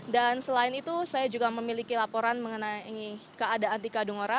dan selain itu saya juga memiliki laporan mengenai keadaan di kadung ora